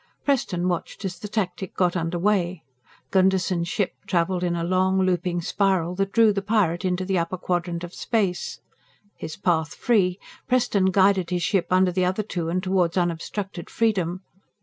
Preston watched as the tactic got under way. Gunderson's ship traveled in a long, looping spiral that drew the pirate into the upper quadrant of space. His path free, Preston guided his ship under the other two and toward unobstructed freedom.